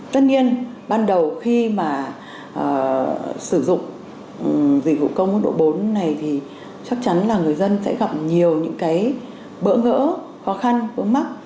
tất nhiên ban đầu khi mà sử dụng dịch vụ công mức độ bốn này thì chắc chắn là người dân sẽ gặp nhiều những cái bỡ ngỡ khó khăn vướng mắc